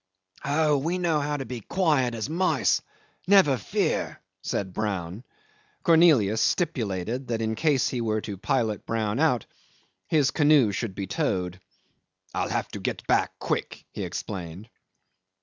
"Oh, we know how to be as quiet as mice; never fear," said Brown. Cornelius stipulated that in case he were to pilot Brown out, his canoe should be towed. "I'll have to get back quick," he explained.